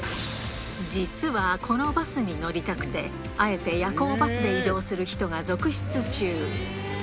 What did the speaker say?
実は、このバスに乗りたくて、あえて夜行バスで移動する人が続出中。